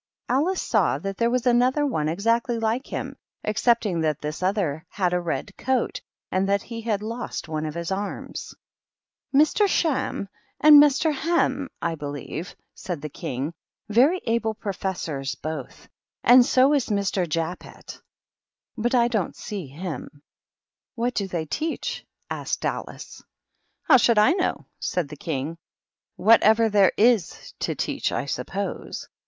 Alice saw that there was another one exactly like him, excepting that tliis other had a red coat, and that he had lost one of his arms. " Mr. Sham and Mr. Hem, I helieve^^ said the King. " Very able professors, both. And so is Mr. Jappet, but I don't see him." "What do they teach?" asked Alice. "How should I know?" said the King. "Whatever there ^s to teach, I suppose."